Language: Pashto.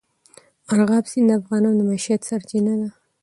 مورغاب سیند د افغانانو د معیشت سرچینه ده.